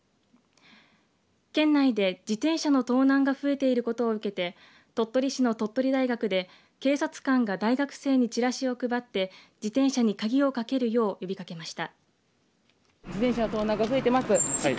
県内で自転車の盗難が増えていることを受けて鳥取市の鳥取大学で警察官が大学生にチラシを配って自転車に鍵をかけるよう呼びかけました。